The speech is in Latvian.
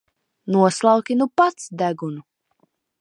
Noslauki nu pats degunu!